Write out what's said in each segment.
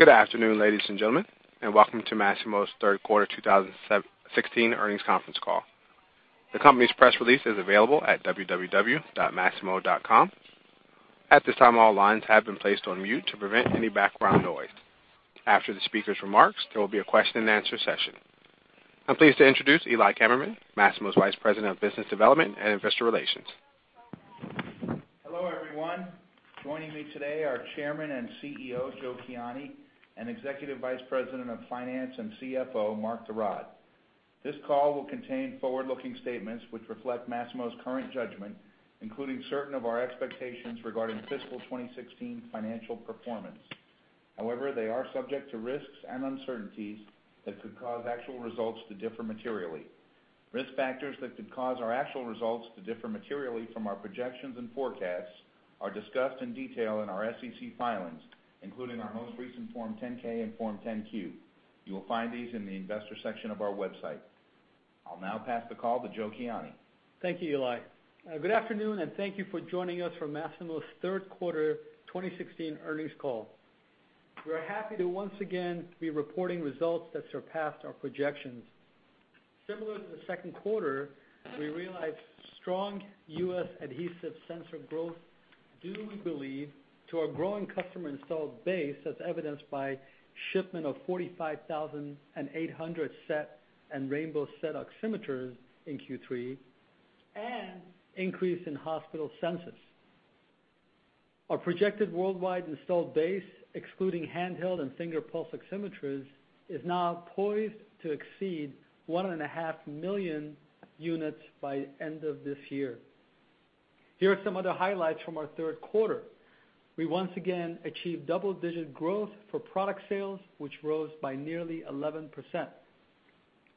Good afternoon, ladies and gentlemen, welcome to Masimo's third quarter 2016 earnings conference call. The company's press release is available at www.masimo.com. At this time, all lines have been placed on mute to prevent any background noise. After the speaker's remarks, there will be a question-and-answer session. I am pleased to introduce Eli Kammerman, Masimo's Vice President of Business Development and Investor Relations. Hello, everyone. Joining me today are Chairman and CEO, Joe Kiani, and Executive Vice President of Finance and CFO, Mark de Raad. This call will contain forward-looking statements which reflect Masimo's current judgment, including certain of our expectations regarding fiscal 2016 financial performance. However, they are subject to risks and uncertainties that could cause actual results to differ materially. Risk factors that could cause our actual results to differ materially from our projections and forecasts, are discussed in detail in our SEC filings, including our most recent Form 10-K and Form 10-Q. You will find these in the investor section of our website. I will now pass the call to Joe Kiani. Thank you, Eli. Good afternoon, thank you for joining us for Masimo's third quarter 2016 earnings call. We are happy to once again be reporting results that surpassed our projections. Similar to the second quarter, we realized strong U.S. adhesive sensor growth due, we believe, to our growing customer installed base as evidenced by shipment of 45,800 SET and rainbow SET oximeters in Q3, and increase in hospital census. Our projected worldwide installed base, excluding handheld and finger pulse oximeters, is now poised to exceed 1.5 million units by end of this year. Here are some other highlights from our third quarter. We once again achieved double-digit growth for product sales, which rose by nearly 11%.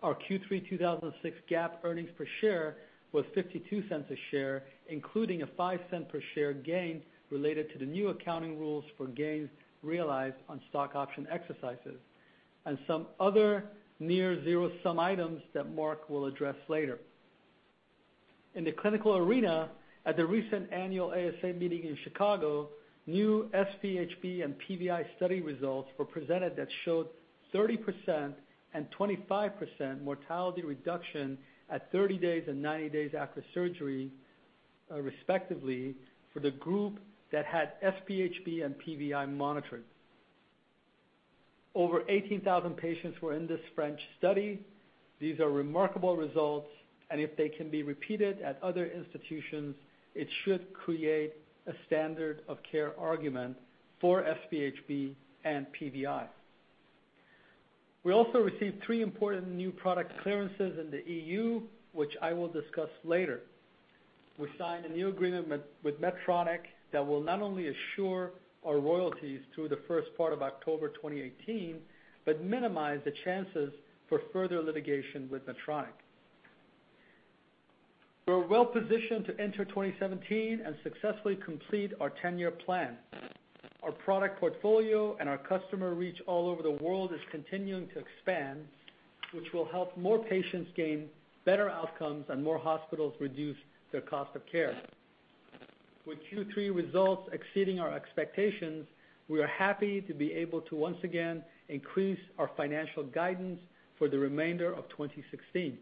Our Q3 2016 GAAP earnings per share was $0.52 a share, including a $0.05 per share gain related to the new accounting rules for gains realized on stock option exercises, and some other near zero-sum items that Mark will address later. In the clinical arena at the recent annual ASA meeting in Chicago, new SpHb and PVi study results were presented that showed 30% and 25% mortality reduction at 30 days and 90 days after surgery, respectively, for the group that had SpHb and PVi monitoring. Over 18,000 patients were in this French study. These are remarkable results, if they can be repeated at other institutions, it should create a standard of care argument for SpHb and PVi. We also received three important new product clearances in the EU, which I will discuss later. We signed a new agreement with Medtronic that will not only assure our royalties through the first part of October 2018, but minimize the chances for further litigation with Medtronic. We are well-positioned to enter 2017 and successfully complete our 10-year plan. Our product portfolio and our customer reach all over the world is continuing to expand, which will help more patients gain better outcomes and more hospitals reduce their cost of care. With Q3 results exceeding our expectations, we are happy to be able to once again increase our financial guidance for the remainder of 2016.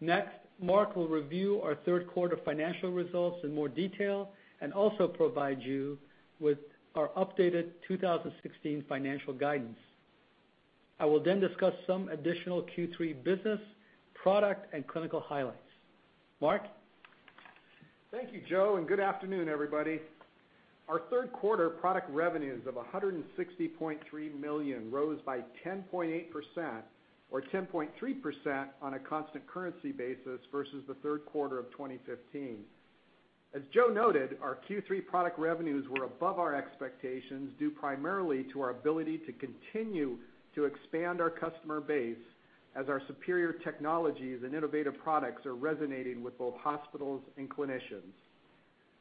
Next, Mark will review our third quarter financial results in more detail and also provide you with our updated 2016 financial guidance. I will then discuss some additional Q3 business, product, and clinical highlights. Mark? Thank you, Joe, and good afternoon, everybody. Our third quarter product revenues of $160.3 million rose by 10.8%, or 10.3% on a constant currency basis versus the third quarter of 2015. As Joe noted, our Q3 product revenues were above our expectations due primarily to our ability to continue to expand our customer base as our superior technologies and innovative products are resonating with both hospitals and clinicians.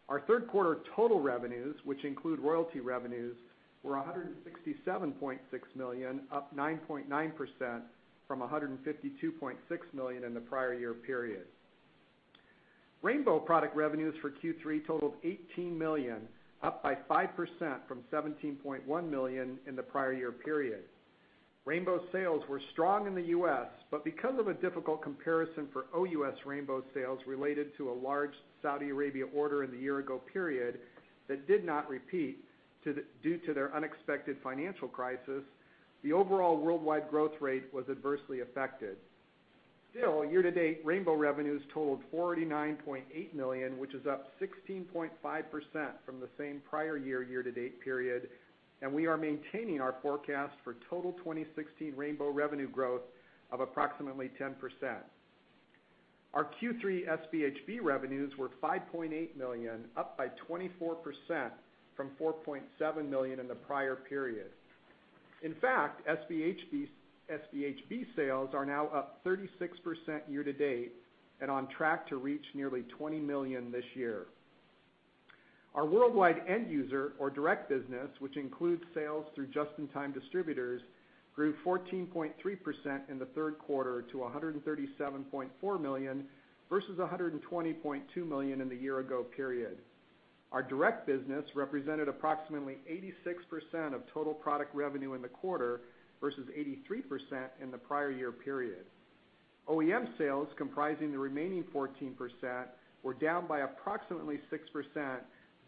Our third quarter total revenues, which include royalty revenues, were $167.6 million, up 9.9% from $152.6 million in the prior year period. rainbow product revenues for Q3 totaled $18 million, up by 5% from $17.1 million in the prior year period. rainbow sales were strong in the U.S., but because of a difficult comparison for OUS rainbow sales related to a large Saudi Arabia order in the year-ago period that did not repeat due to their unexpected financial crisis, the overall worldwide growth rate was adversely affected. Year-to-date, rainbow revenues totaled $49.8 million, which is up 16.5% from the same prior year year-to-date period, and we are maintaining our forecast for total 2016 rainbow revenue growth of approximately 10%. Our Q3 SpHb revenues were $5.8 million, up by 24% from $4.7 million in the prior period. In fact, SpHb sales are now up 36% year-to-date and on track to reach nearly $20 million this year. Our worldwide end user or direct business, which includes sales through just-in-time distributors grew 14.3% in the third quarter to $137.4 million, versus $120.2 million in the year-ago period. Our direct business represented approximately 86% of total product revenue in the quarter versus 83% in the prior year period. OEM sales comprising the remaining 14% were down by approximately 6%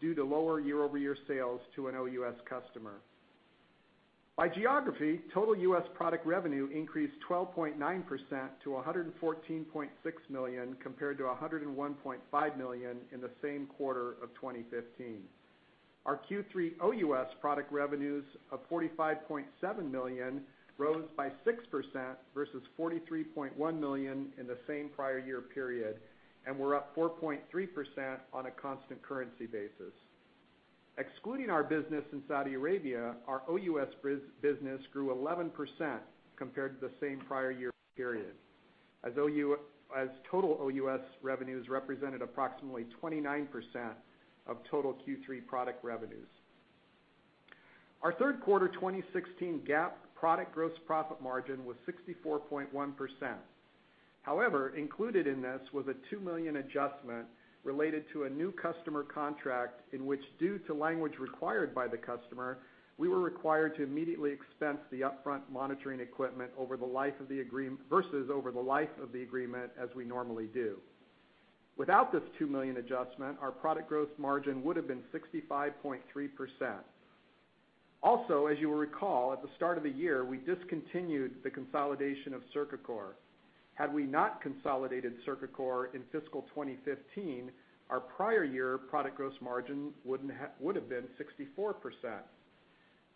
due to lower year-over-year sales to an OUS customer. By geography, total U.S. product revenue increased 12.9% to $114.6 million, compared to $101.5 million in the same quarter of 2015. Our Q3 OUS product revenues of $45.7 million rose by 6% versus $43.1 million in the same prior year period, and were up 4.3% on a constant currency basis. Excluding our business in Saudi Arabia, our OUS business grew 11% compared to the same prior year period, as total OUS revenues represented approximately 29% of total Q3 product revenues. Our third quarter 2016 GAAP product gross profit margin was 64.1%. However, included in this was a $2 million adjustment related to a new customer contract in which, due to language required by the customer, we were required to immediately expense the upfront monitoring equipment versus over the life of the agreement, as we normally do. Without this $2 million adjustment, our product gross margin would've been 65.3%. Also, as you will recall, at the start of the year, we discontinued the consolidation of Cercacor. Had we not consolidated Cercacor in fiscal 2015, our prior year product gross margin would've been 64%.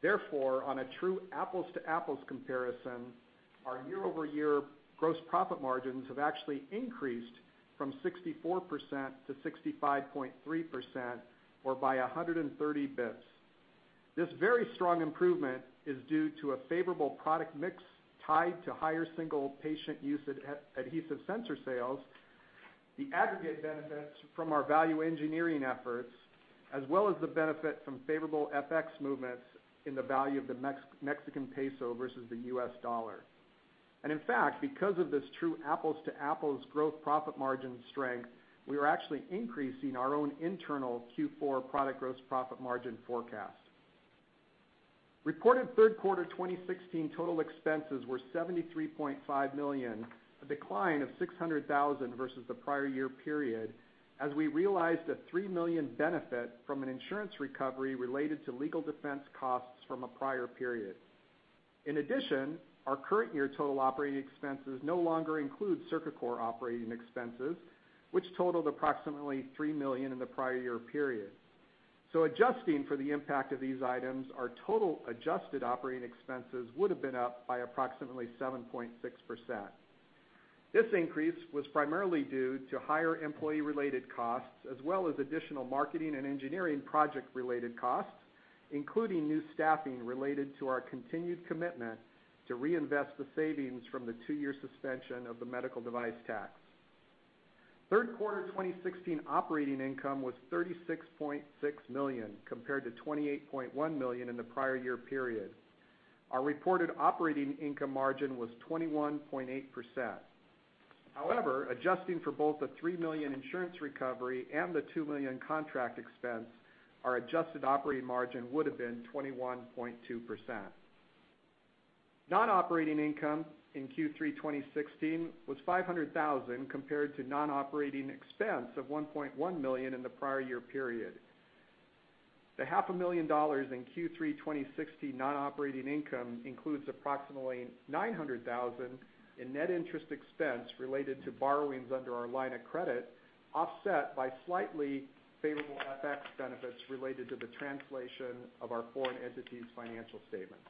Therefore, on a true apples-to-apples comparison, our year-over-year gross profit margins have actually increased from 64% to 65.3%, or by 130 basis points. This very strong improvement is due to a favorable product mix tied to higher single-patient use adhesive sensor sales, the aggregate benefits from our value engineering efforts, as well as the benefit from favorable FX movements in the value of the Mexican peso versus the US dollar. In fact, because of this true apples-to-apples gross profit margin strength, we are actually increasing our own internal Q4 product gross profit margin forecast. Reported third quarter 2016 total expenses were $73.5 million, a decline of $600,000 versus the prior year period, as we realized a $3 million benefit from an insurance recovery related to legal defense costs from a prior period. In addition, our current year total operating expenses no longer include Cercacor operating expenses, which totaled approximately $3 million in the prior year period. Adjusting for the impact of these items, our total adjusted operating expenses would've been up by approximately 7.6%. This increase was primarily due to higher employee-related costs, as well as additional marketing and engineering project-related costs, including new staffing related to our continued commitment to reinvest the savings from the two-year suspension of the medical device tax. Third quarter 2016 operating income was $36.6 million, compared to $28.1 million in the prior year period. Our reported operating income margin was 21.8%. However, adjusting for both the $3 million insurance recovery and the $2 million contract expense, our adjusted operating margin would've been 21.2%. Non-operating income in Q3 2016 was $500,000, compared to non-operating expense of $1.1 million in the prior year period. The half a million dollars in Q3 2016 non-operating income includes approximately $900,000 in net interest expense related to borrowings under our line of credit, offset by slightly favorable FX benefits related to the translation of our foreign entities' financial statements.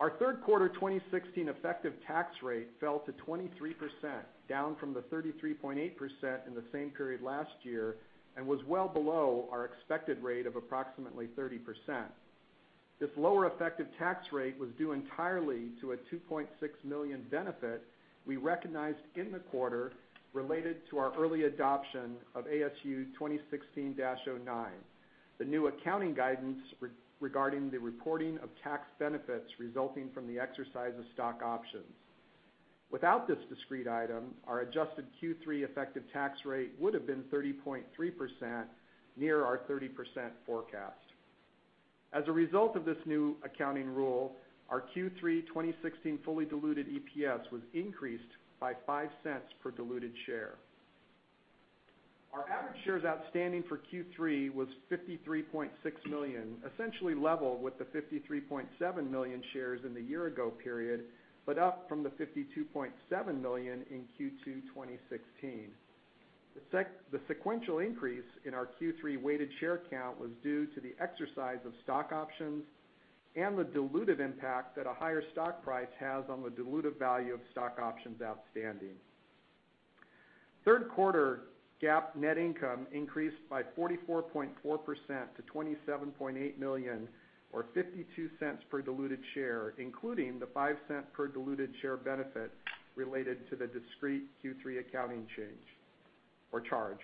Our third quarter 2016 effective tax rate fell to 23%, down from the 33.8% in the same period last year, and was well below our expected rate of approximately 30%. This lower effective tax rate was due entirely to a $2.6 million benefit we recognized in the quarter related to our early adoption of ASU 2016-09, the new accounting guidance regarding the reporting of tax benefits resulting from the exercise of stock options. Without this discrete item, our adjusted Q3 effective tax rate would've been 30.3%, near our 30% forecast. As a result of this new accounting rule, our Q3 2016 fully diluted EPS was increased by $0.05 per diluted share. Our average shares outstanding for Q3 was 53.6 million, essentially level with the 53.7 million shares in the year-ago period, but up from the 52.7 million in Q2 2016. The sequential increase in our Q3 weighted share count was due to the exercise of stock options and the dilutive impact that a higher stock price has on the dilutive value of stock options outstanding. Third quarter GAAP net income increased by 44.4% to $27.8 million, or $0.52 per diluted share, including the $0.05 per diluted share benefit related to the discrete Q3 accounting change or charge.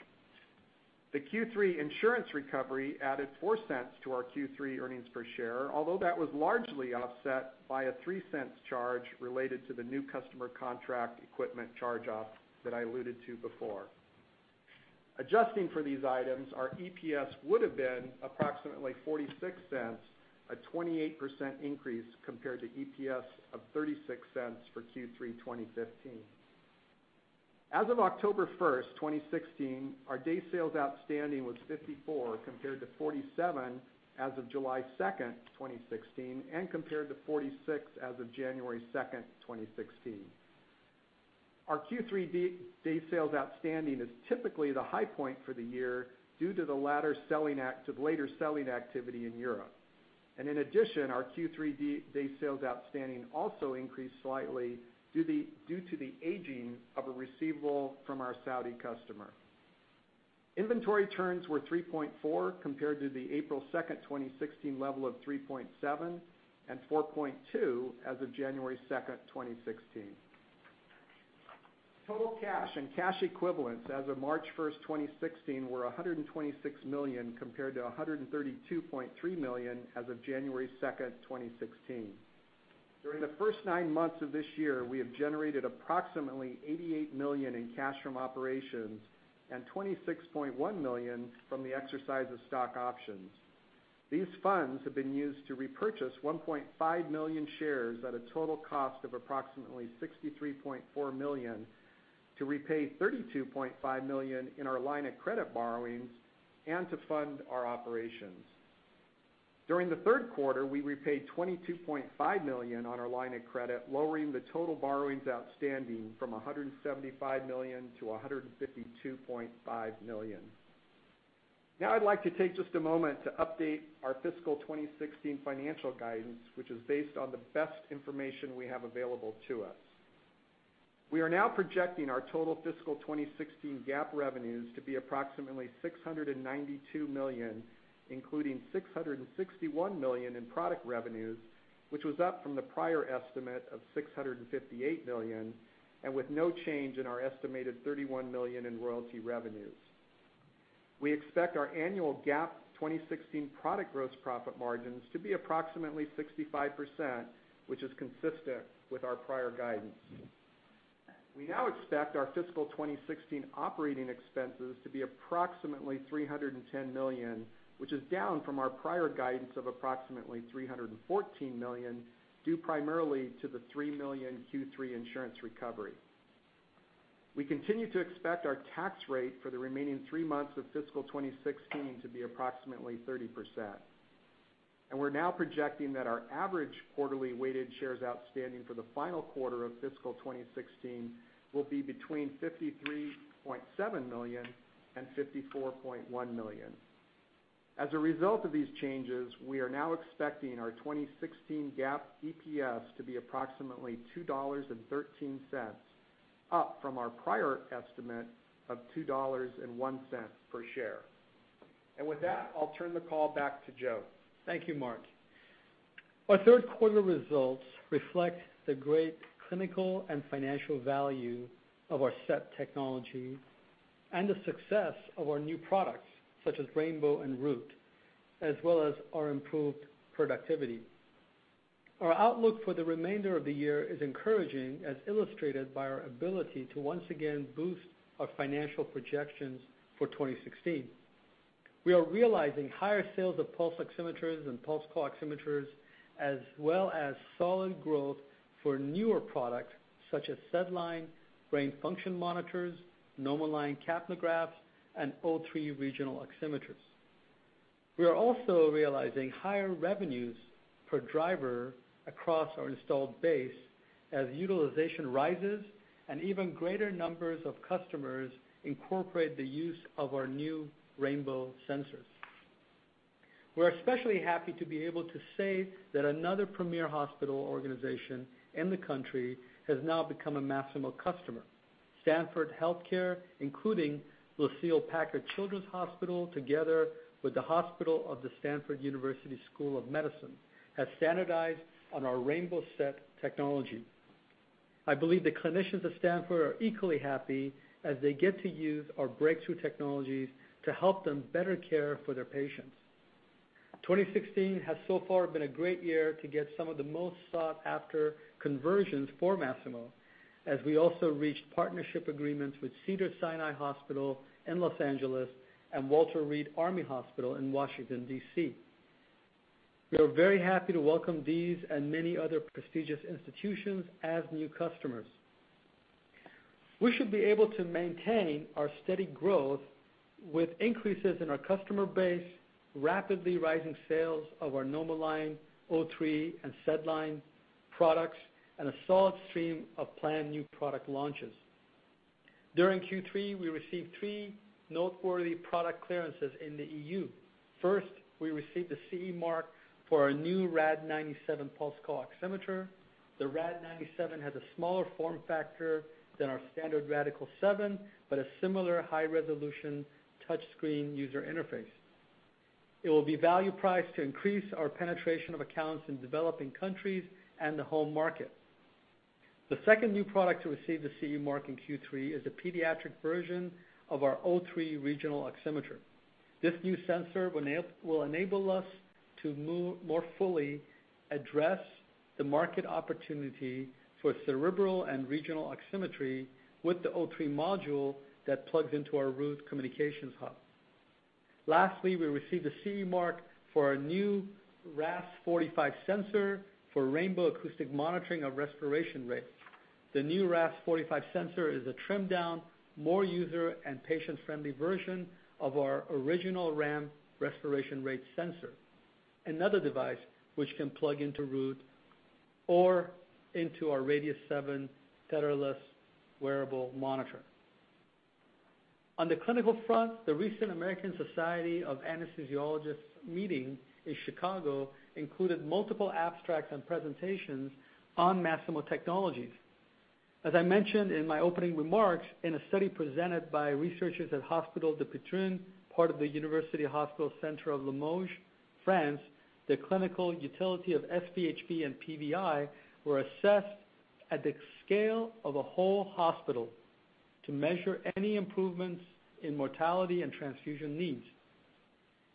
The Q3 insurance recovery added $0.04 to our Q3 earnings per share, although that was largely offset by a $0.03 charge related to the new customer contract equipment charge-off that I alluded to before. Adjusting for these items, our EPS would have been approximately $0.46, a 28% increase compared to EPS of $0.36 for Q3 2015. As of October 1st, 2016, our day sales outstanding was 54, compared to 47 as of July 2nd, 2016, and compared to 46 as of January 2nd, 2016. Our Q3 day sales outstanding is typically the high point for the year due to the later selling activity in Europe. In addition, our Q3 day sales outstanding also increased slightly due to the aging of a receivable from our Saudi customer. Inventory turns were 3.4, compared to the April 2nd, 2016, level of 3.7 and 4.2 as of January 2nd, 2016. Total cash and cash equivalents as of March 1st, 2016, were $126 million, compared to $132.3 million as of January 2nd, 2016. During the first nine months of this year, we have generated approximately $88 million in cash from operations and $26.1 million from the exercise of stock options. These funds have been used to repurchase 1.5 million shares at a total cost of approximately $63.4 million to repay $32.5 million in our line of credit borrowings and to fund our operations. During the third quarter, we repaid $22.5 million on our line of credit, lowering the total borrowings outstanding from $175 million to $152.5 million. I'd like to take just a moment to update our fiscal 2016 financial guidance, which is based on the best information we have available to us. We are now projecting our total fiscal 2016 GAAP revenues to be approximately $692 million, including $661 million in product revenues, which was up from the prior estimate of $658 million, and with no change in our estimated $31 million in royalty revenues. We expect our annual GAAP 2016 product gross profit margins to be approximately 65%, which is consistent with our prior guidance. We now expect our fiscal 2016 operating expenses to be approximately $310 million, which is down from our prior guidance of approximately $314 million, due primarily to the $3 million Q3 insurance recovery. We continue to expect our tax rate for the remaining three months of fiscal 2016 to be approximately 30%. We're now projecting that our average quarterly weighted shares outstanding for the final quarter of fiscal 2016 will be between 53.7 million and 54.1 million. As a result of these changes, we are now expecting our 2016 GAAP EPS to be approximately $2.13, up from our prior estimate of $2.01 per share. With that, I'll turn the call back to Joe. Thank you, Mark. Our third quarter results reflect the great clinical and financial value of our SET technology and the success of our new products, such as rainbow and Root, as well as our improved productivity. Our outlook for the remainder of the year is encouraging, as illustrated by our ability to once again boost our financial projections for 2016. We are realizing higher sales of pulse oximeters and pulse CO-oximeters, as well as solid growth for newer products such as SedLine brain function monitors, NomoLine capnographs, and O3 regional oximeters. We are also realizing higher revenues per driver across our installed base as utilization rises and even greater numbers of customers incorporate the use of our new rainbow sensors. We're especially happy to be able to say that another premier hospital organization in the country has now become a Masimo customer. Stanford Health Care, including Lucile Packard Children's Hospital, together with the hospital of the Stanford University School of Medicine, has standardized on our rainbow SET technology. I believe the clinicians at Stanford are equally happy as they get to use our breakthrough technologies to help them better care for their patients. 2016 has so far been a great year to get some of the most sought-after conversions for Masimo, as we also reached partnership agreements with Cedars-Sinai Medical Center in Los Angeles and Walter Reed National Military Medical Center in Washington, D.C. We are very happy to welcome these and many other prestigious institutions as new customers. We should be able to maintain our steady growth with increases in our customer base, rapidly rising sales of our NomoLine, O3, and SedLine products, and a solid stream of planned new product launches. During Q3, we received three noteworthy product clearances in the EU. First, we received the CE mark for our new Rad-97 pulse CO-oximeter. The Rad-97 has a smaller form factor than our standard Radical-7, but a similar high-resolution touchscreen user interface. It will be value priced to increase our penetration of accounts in developing countries and the home market. The second new product to receive the CE mark in Q3 is the pediatric version of our O3 regional oximeter. This new sensor will enable us to more fully address the market opportunity for cerebral and regional oximetry with the O3 module that plugs into our Root communications hub. Lastly, we received a CE mark for our new RAS-45 sensor for rainbow Acoustic Monitoring of respiration rate. The new RAS-45 sensor is a trimmed-down, more user and patient-friendly version of our original RAM respiration rate sensor, another device which can plug into Root or into our Radius-7 tetherless wearable monitor. On the clinical front, the recent American Society of Anesthesiologists meeting in Chicago included multiple abstracts and presentations on Masimo technologies. As I mentioned in my opening remarks, in a study presented by researchers at Hôpital Dupuytren, part of the University Hospital Center of Limoges, France, the clinical utility of SpHb and PVi were assessed at the scale of a whole hospital to measure any improvements in mortality and transfusion needs.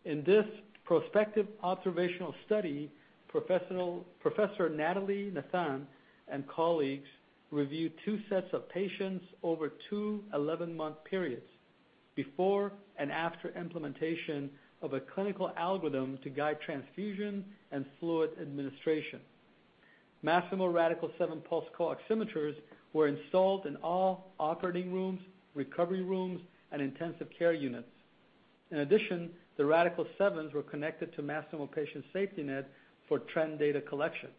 In this prospective observational study, Professor Nathalie Nathan and colleagues reviewed two sets of patients over two 11-month periods before and after implementation of a clinical algorithm to guide transfusion and fluid administration. Masimo Radical-7 pulse co-oximeters were installed in all operating rooms, recovery rooms, and intensive care units. In addition, the Radical-7s were connected to Masimo Patient SafetyNet for trend data collection.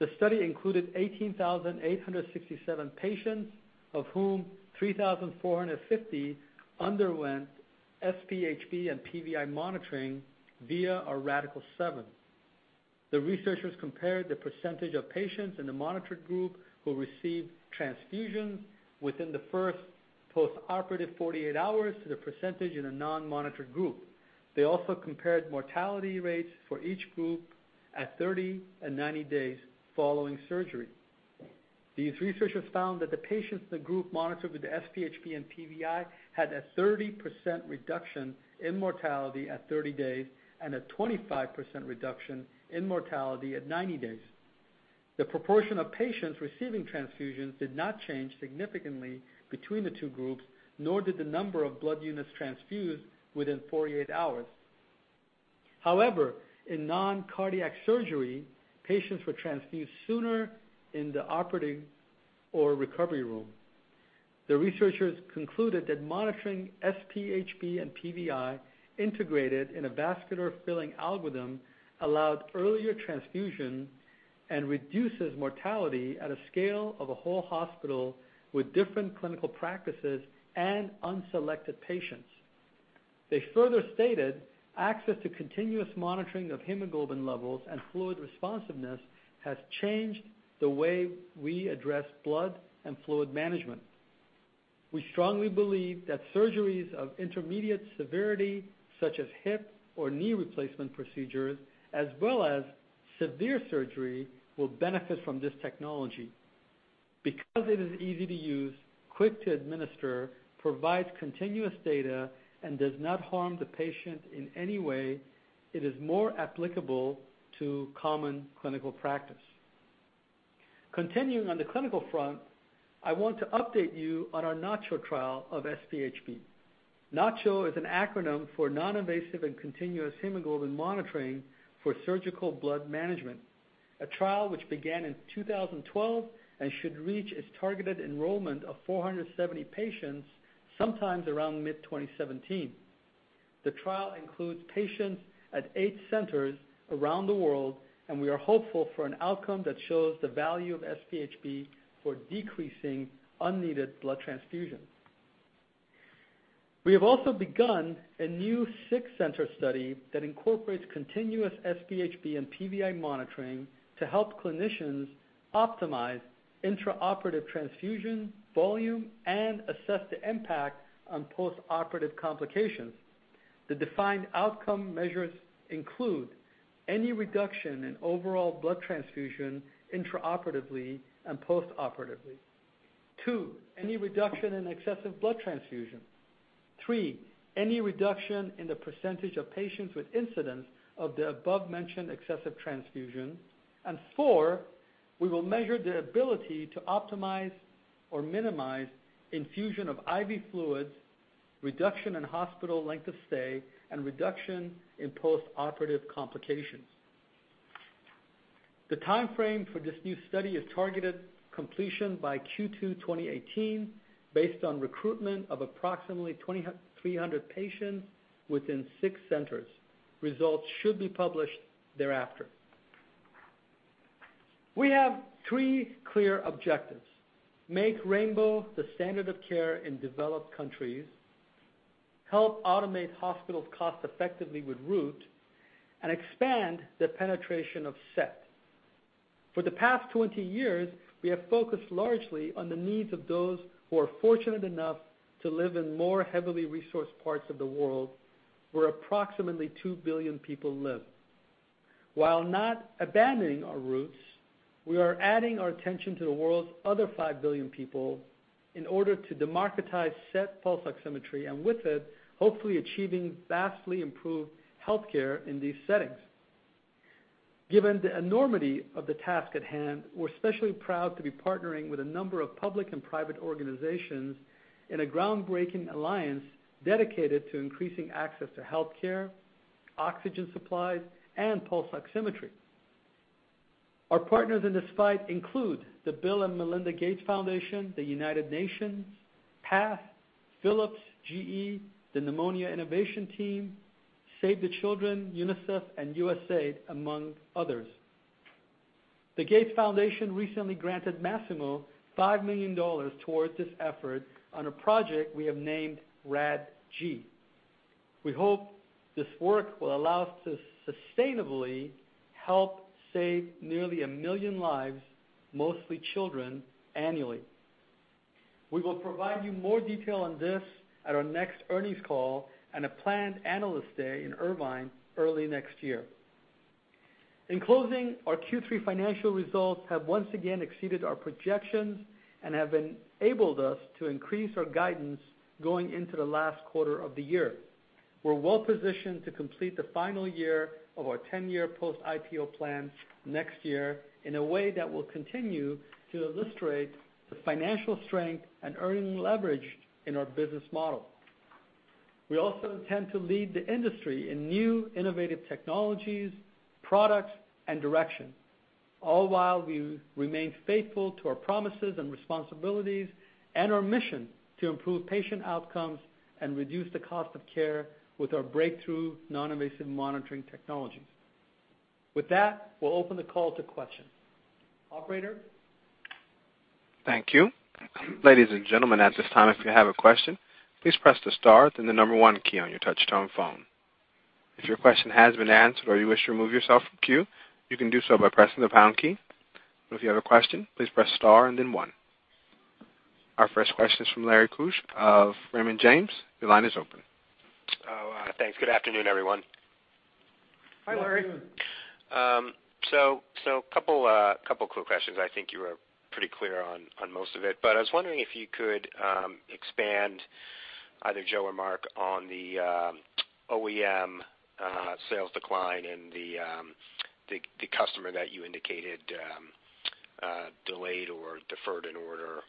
The study included 18,867 patients, of whom 3,450 underwent SpHb and PVi monitoring via our Radical-7. The researchers compared the percentage of patients in the monitored group who received transfusion within the first postoperative 48 hours to the percentage in a non-monitored group. They also compared mortality rates for each group at 30 and 90 days following surgery. These researchers found that the patients in the group monitored with the SpHb and PVi had a 30% reduction in mortality at 30 days and a 25% reduction in mortality at 90 days. The proportion of patients receiving transfusions did not change significantly between the two groups, nor did the number of blood units transfused within 48 hours. However, in non-cardiac surgery, patients were transfused sooner in the operating or recovery room. The researchers concluded that monitoring SpHb and PVi integrated in a vascular filling algorithm allowed earlier transfusion and reduces mortality at a scale of a whole hospital with different clinical practices and unselected patients. They further stated access to continuous monitoring of hemoglobin levels and fluid responsiveness has changed the way we address blood and fluid management. We strongly believe that surgeries of intermediate severity, such as hip or knee replacement procedures, as well as severe surgery, will benefit from this technology. Because it is easy to use, quick to administer, provides continuous data, and does not harm the patient in any way, it is more applicable to common clinical practice. Continuing on the clinical front, I want to update you on our NACHO trial of SpHb. NACHO is an acronym for Non-Invasive and Continuous Hemoglobin Monitoring for Surgical Blood Management, a trial which began in 2012 and should reach its targeted enrollment of 470 patients sometime around mid-2017. The trial includes patients at eight centers around the world, and we are hopeful for an outcome that shows the value of SpHb for decreasing unneeded blood transfusions. We have also begun a new six-center study that incorporates continuous SpHb and PVi monitoring to help clinicians optimize intraoperative transfusion volume and assess the impact on postoperative complications. The defined outcome measures include any reduction in overall blood transfusion intraoperatively and postoperatively. 2, any reduction in excessive blood transfusion. 3, any reduction in the percentage of patients with incidence of the above-mentioned excessive transfusion. Four, we will measure the ability to optimize or minimize infusion of IV fluids, reduction in hospital length of stay, and reduction in postoperative complications. The timeframe for this new study is targeted completion by Q2 2018 based on recruitment of approximately 300 patients within six centers. Results should be published thereafter. We have three clear objectives: Make rainbow the standard of care in developed countries, help automate hospitals cost-effectively with Root, and expand the penetration of SET. For the past 20 years, we have focused largely on the needs of those who are fortunate enough to live in more heavily resourced parts of the world, where approximately two billion people live. While not abandoning our roots, we are adding our attention to the world's other five billion people in order to democratize SET pulse oximetry, and with it, hopefully achieving vastly improved healthcare in these settings. Given the enormity of the task at hand, we're especially proud to be partnering with a number of public and private organizations in a groundbreaking alliance dedicated to increasing access to healthcare, oxygen supplies, and pulse oximetry. Our partners in this fight include the Bill & Melinda Gates Foundation, the United Nations, PATH, Philips, GE, the Pneumonia Innovations Network, Save the Children, UNICEF, and USAID, among others. The Gates Foundation recently granted Masimo $5 million towards this effort on a project we have named Rad-G. We hope this work will allow us to sustainably help save nearly a million lives, mostly children, annually. We will provide you more detail on this at our next earnings call and a planned analyst day in Irvine early next year. In closing, our Q3 financial results have once again exceeded our projections and have enabled us to increase our guidance going into the last quarter of the year. We're well-positioned to complete the final year of our 10-year post-IPO plan next year in a way that will continue to illustrate the financial strength and earning leverage in our business model. We also intend to lead the industry in new innovative technologies, products, and direction, all while we remain faithful to our promises and responsibilities and our mission to improve patient outcomes and reduce the cost of care with our breakthrough non-invasive monitoring technologies. With that, we'll open the call to questions. Operator? Thank you. Ladies and gentlemen, at this time, if you have a question, please press the star then the number one key on your touch-tone phone. If your question has been answered or you wish to remove yourself from queue, you can do so by pressing the pound key. If you have a question, please press star and then one. Our first question is from Larry Keusch of Raymond James. Your line is open. Oh, thanks. Good afternoon, everyone. Hi, Larry. Good afternoon. Couple quick questions. I think you were pretty clear on most of it. I was wondering if you could expand, either Joe or Marc, on the OEM sales decline and the customer that you indicated delayed or deferred an order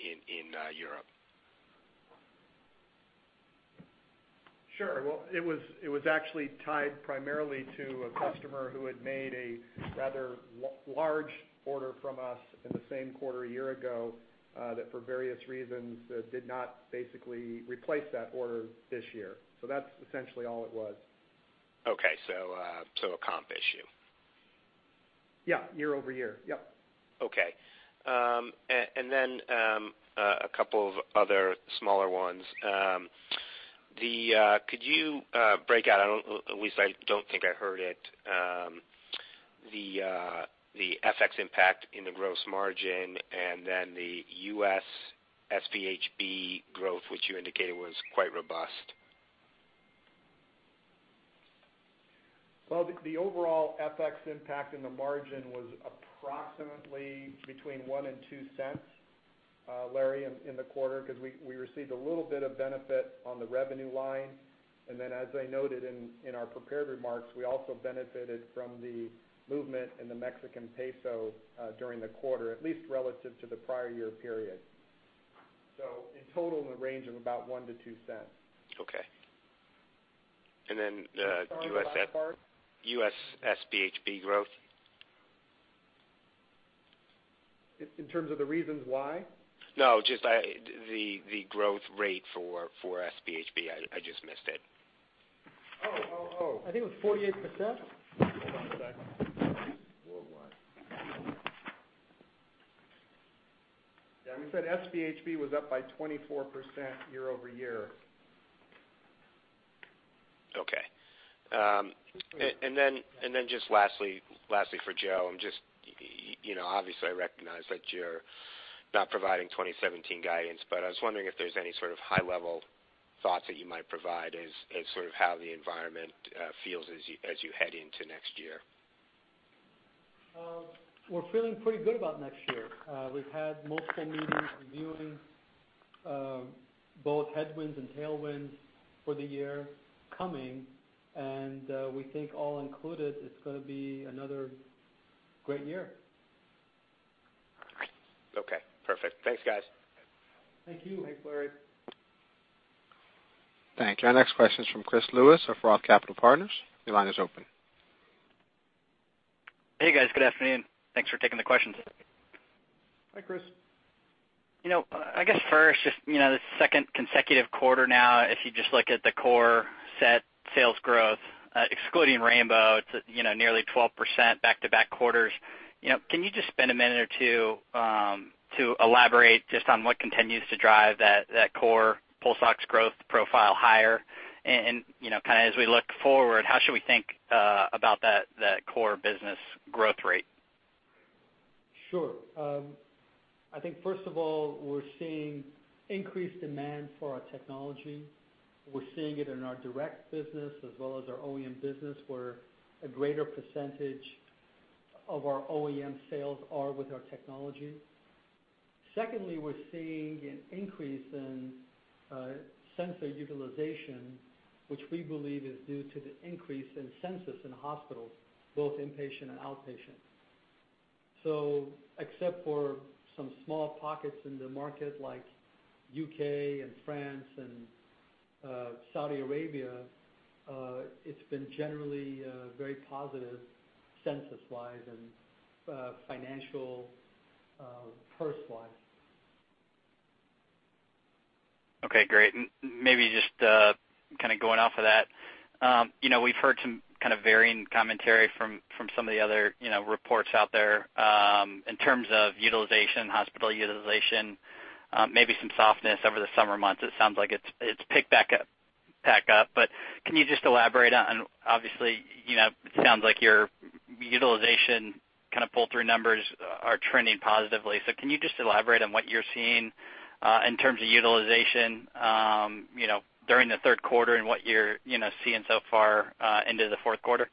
in Europe. Sure. Well, it was actually tied primarily to a customer who had made a rather large order from us in the same quarter a year ago, that for various reasons did not basically replace that order this year. That's essentially all it was. Okay. A comp issue. Yeah. Year-over-year. Yep. Okay. A couple of other smaller ones. Could you break out, at least I don't think I heard it, the FX impact in the gross margin and the U.S. SpHb growth, which you indicated was quite robust? Well, the overall FX impact in the margin was approximately between $0.01 and $0.02, Larry, in the quarter, because we received a little bit of benefit on the revenue line. As I noted in our prepared remarks, we also benefited from the movement in the Mexican peso during the quarter, at least relative to the prior year period. So in total, in the range of about $0.01-$0.02. Okay. The U.S.- Sorry, the last part? U.S. SpHb growth? In terms of the reasons why? No, just the growth rate for SpHb. I just missed it. Oh. I think it was 48%. Hold on a sec. Worldwide. Yeah. We said SpHb was up by 24% year-over-year. Okay. Then just lastly for Joe, obviously I recognize that you're not providing 2017 guidance, but I was wondering if there's any sort of high-level thoughts that you might provide as sort of how the environment feels as you head into next year. We're feeling pretty good about next year. We've had multiple meetings reviewing both headwinds and tailwinds for the year coming, we think all included, it's gonna be another great year. Okay, perfect. Thanks, guys. Thank you. Thanks, Larry. Thank you. Our next question is from Chris Lewis of ROTH Capital Partners. Your line is open. Hey, guys. Good afternoon. Thanks for taking the questions. Hi, Chris. I guess first, just the second consecutive quarter now, if you just look at the core SET sales growth, excluding rainbow, it's nearly 12% back-to-back quarters. Can you just spend a minute or two to elaborate just on what continues to drive that core pulse ox growth profile higher? Kind of as we look forward, how should we think about that core business growth rate? Sure. I think first of all, we're seeing increased demand for our technology. We're seeing it in our direct business as well as our OEM business, where a greater percentage of our OEM sales are with our technology. Secondly, we're seeing an increase in sensor utilization, which we believe is due to the increase in census in hospitals, both inpatient and outpatient. Except for some small pockets in the market like U.K. and France and Saudi Arabia, it's been generally very positive census-wise and financial purse-wise. Okay, great. Maybe just going off of that, we've heard some kind of varying commentary from some of the other reports out there in terms of hospital utilization, maybe some softness over the summer months. It sounds like it's picked back up. Can you just elaborate on Obviously, it sounds like your utilization pull-through numbers are trending positively. Can you just elaborate on what you're seeing in terms of utilization during the third quarter and what you're seeing so far into the fourth quarter?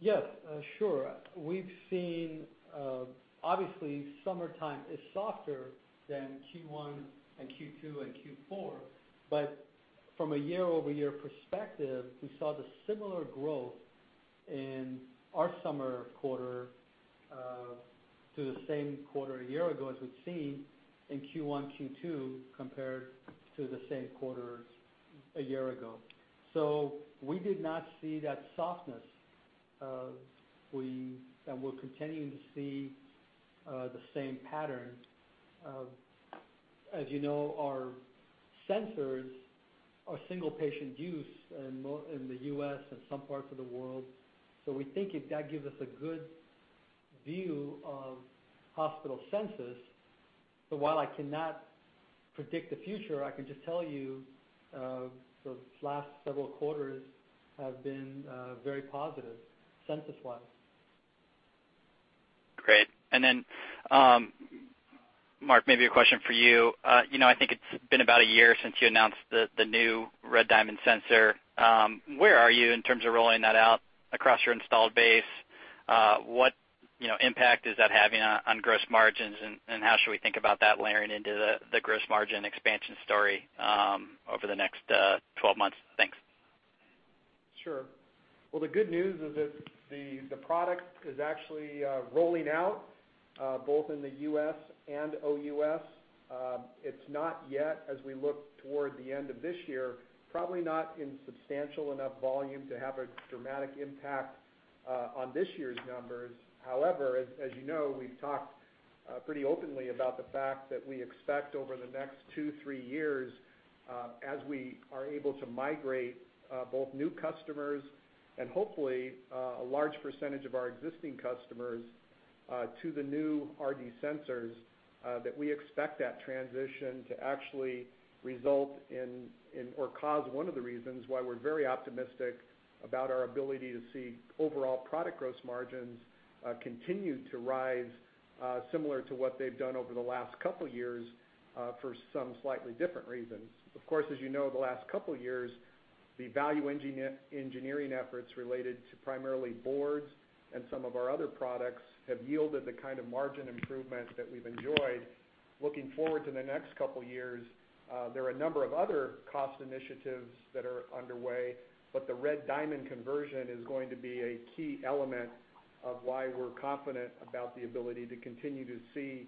Yes, sure. We've seen, obviously, summertime is softer than Q1 and Q2 and Q4, but from a year-over-year perspective, we saw the similar growth in our summer quarter to the same quarter a year ago as we've seen in Q1, Q2, compared to the same quarters a year ago. We did not see that softness, and we're continuing to see the same pattern. As you know, our sensors are single-patient use in the U.S. and some parts of the world. We think that gives us a good view of hospital census, but while I cannot predict the future, I can just tell you, the last several quarters have been very positive census-wise. Great. Mark, maybe a question for you. I think it's been about a year since you announced the new RD SET sensor. Where are you in terms of rolling that out across your installed base? What impact is that having on gross margins, and how should we think about that layering into the gross margin expansion story over the next 12 months? Thanks. Sure. Well, the good news is that the product is actually rolling out both in the U.S. and OUS. It's not yet, as we look toward the end of this year, probably not in substantial enough volume to have a dramatic impact on this year's numbers. However, as you know, we've talked pretty openly about the fact that we expect over the next 2, 3 years, as we are able to migrate both new customers and hopefully a large percentage of our existing customers to the new RD sensors, that we expect that transition to actually result in or cause one of the reasons why we're very optimistic about our ability to see overall product gross margins continue to rise similar to what they've done over the last couple years for some slightly different reasons. Of course, as you know, the last couple of years, the value engineering efforts related to primarily boards and some of our other products have yielded the kind of margin improvements that we've enjoyed. Looking forward to the next couple years, there are a number of other cost initiatives that are underway, but the RD SET conversion is going to be a key element of why we're confident about the ability to continue to see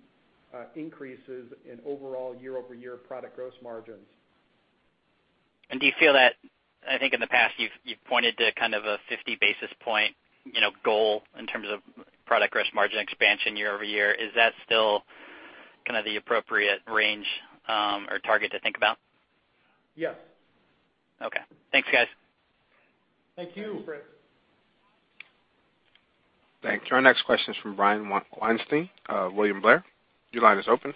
increases in overall year-over-year product gross margins. Do you feel that, I think in the past you've pointed to kind of a 50 basis point goal in terms of product gross margin expansion year-over-year. Is that still the appropriate range or target to think about? Yes. Okay. Thanks, guys. Thank you. Thanks. Thanks. Our next question is from Brian Weinstein, William Blair. Your line is open.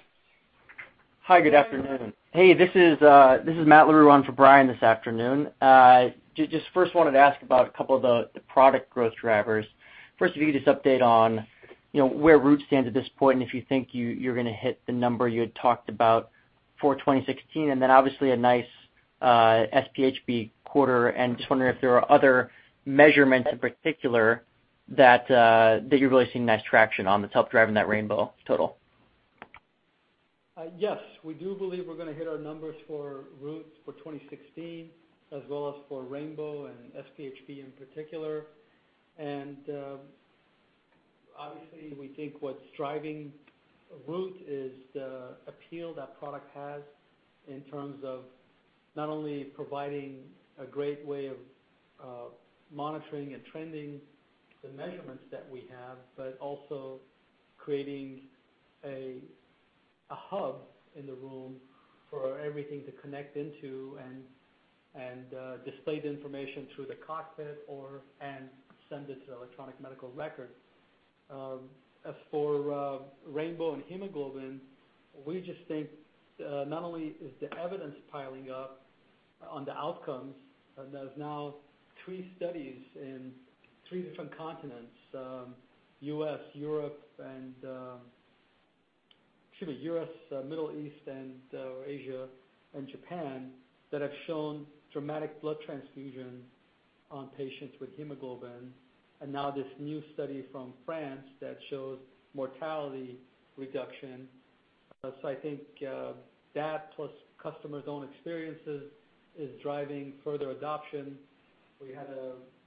Hi, good afternoon. Hey, this is Matt Larew on for Brian this afternoon. First wanted to ask about a couple of the product growth drivers. First, if you could just update on where Root stands at this point, if you think you're going to hit the number you had talked about for 2016. Obviously a nice SpHb quarter, just wondering if there are other measurements in particular that you're really seeing nice traction on that's helped drive that Rainbow total. Yes. We do believe we're going to hit our numbers for Root for 2016, as well as for Rainbow and SpHb in particular. Obviously, we think what's driving Root is the appeal that product has in terms of not only providing a great way of monitoring and trending the measurements that we have, but also creating a hub in the room for everything to connect into and display the information through the cockpit or/and send it to the electronic medical record. As for Rainbow and hemoglobin, we just think not only is the evidence piling up on the outcomes, there's now three studies in three different continents, U.S., Middle East, Asia and Japan, that have shown dramatic blood transfusion on patients with hemoglobin, now this new study from France that shows mortality reduction. I think that plus customers' own experiences is driving further adoption.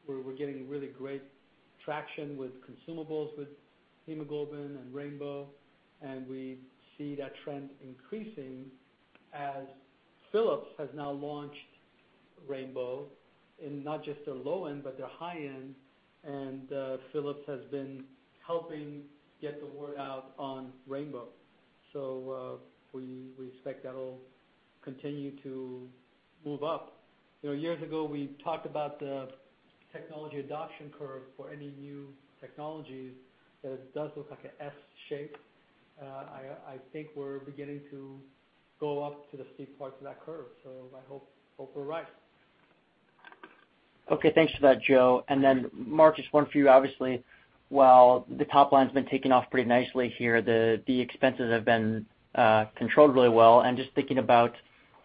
We're getting really great traction with consumables, with hemoglobin and Rainbow, we see that trend increasing as Philips has now launched Rainbow in not just their low end, but their high end, Philips has been helping get the word out on Rainbow. We expect that'll continue to move up. Years ago, we talked about the technology adoption curve for any new technologies. It does look like an S shape. I think we're beginning to go up to the steep part of that curve, I hope we're right. Okay. Thanks for that, Joe. Mark, just one for you. Obviously, while the top line's been taking off pretty nicely here, the expenses have been controlled really well. Just thinking about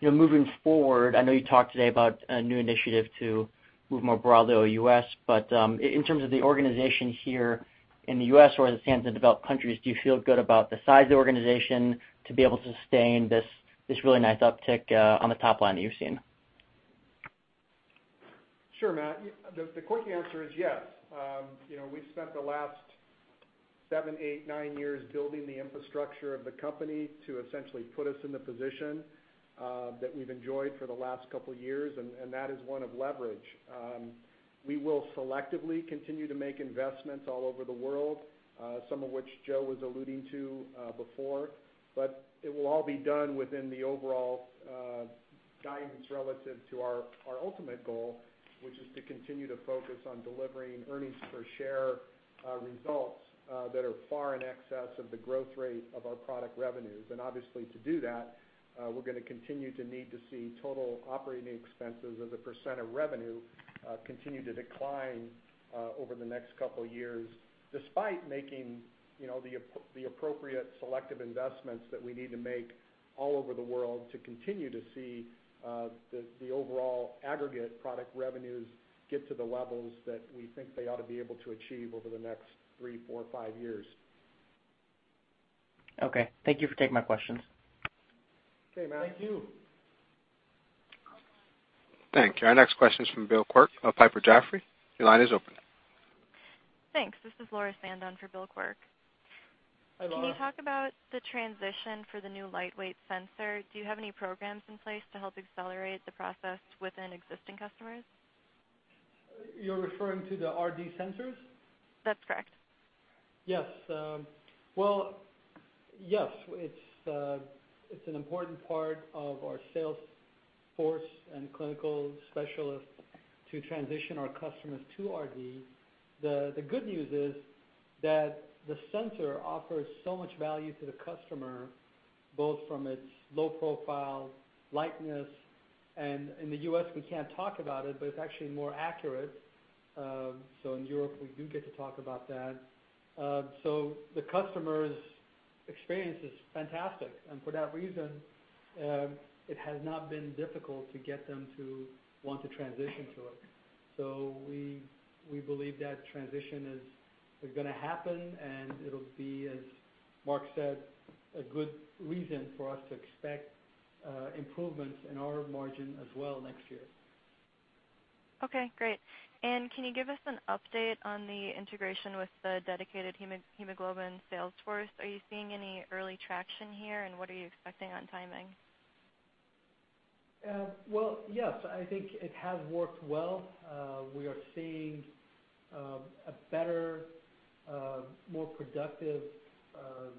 moving forward, I know you talked today about a new initiative to move more broadly to U.S., in terms of the organization here in the U.S. or the OUS and developed countries, do you feel good about the size of the organization to be able to sustain this really nice uptick on the top line that you're seeing? Sure, Matt. The quick answer is yes. We've spent the last seven, eight, nine years building the infrastructure of the company to essentially put us in the position that we've enjoyed for the last couple of years, and that is one of leverage. We will selectively continue to make investments all over the world, some of which Joe was alluding to before. It will all be done within the overall guidance relative to our ultimate goal, which is to continue to focus on delivering earnings per share results that are far in excess of the growth rate of our product revenues. Obviously, to do that, we're going to continue to need to see total operating expenses as a % of revenue continue to decline over the next couple of years, despite making the appropriate selective investments that we need to make all over the world to continue to see the overall aggregate product revenues get to the levels that we think they ought to be able to achieve over the next three, four, five years. Okay. Thank you for taking my questions. Okay, Matt. Thank you. Thank you. Our next question is from Bill Quirk of Piper Jaffray. Your line is open. Thanks. This is Laura Sandon for Bill Quirk. Hi, Laura. Can you talk about the transition for the new lightweight sensor? Do you have any programs in place to help accelerate the process within existing customers? You're referring to the RD sensors? That's correct. Yes. Well, yes, it's an important part of our sales force and clinical specialists to transition our customers to RD. The good news is that the sensor offers so much value to the customer, both from its low profile, lightness, and in the U.S. we can't talk about it, but it's actually more accurate. In Europe we do get to talk about that. The customer's experience is fantastic. For that reason, it has not been difficult to get them to want to transition to it. We believe that transition is going to happen, and it'll be, as Mark said, a good reason for us to expect improvements in our margin as well next year. Can you give us an update on the integration with the dedicated hemoglobin sales force? Are you seeing any early traction here, and what are you expecting on timing? Well, yes, I think it has worked well. We are seeing a better, more productive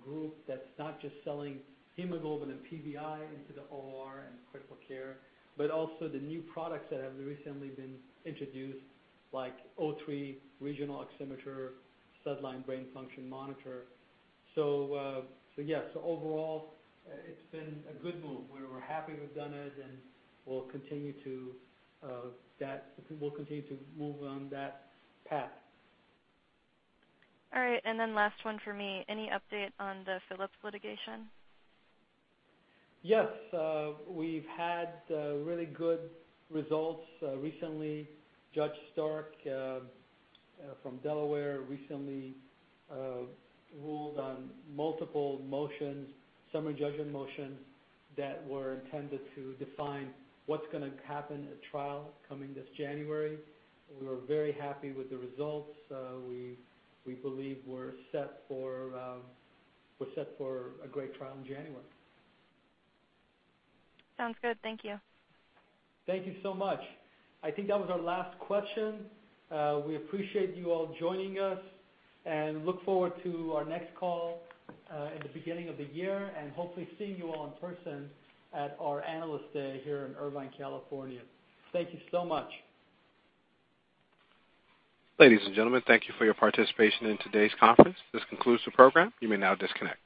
group that's not just selling hemoglobin and PVi into the OR and critical care, but also the new products that have recently been introduced, like O3 regional oximeter, SedLine brain function monitor. Yes, overall, it's been a good move. We're happy we've done it, and we'll continue to move on that path. All right. Last one for me. Any update on the Philips litigation? Yes. We've had really good results recently. Judge Stark from Delaware recently ruled on multiple motions, summary judgment motion, that were intended to define what's going to happen at trial coming this January. We were very happy with the results. We believe we're set for a great trial in January. Sounds good. Thank you. Thank you so much. I think that was our last question. We appreciate you all joining us and look forward to our next call in the beginning of the year and hopefully seeing you all in person at our Analyst Day here in Irvine, California. Thank you so much. Ladies and gentlemen, thank you for your participation in today's conference. This concludes the program. You may now disconnect.